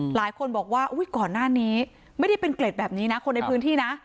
หลายคนบอกว่าก่อนหน้านี้ไม่ได้เป็นเกล็ดแบบนี้นะคนในพื้นที่นะ